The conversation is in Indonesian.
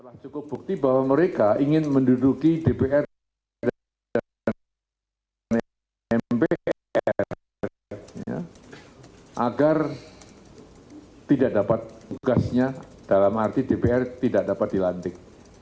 mpr agar tidak dapat tugasnya dalam arti dpr tidak dapat dilantik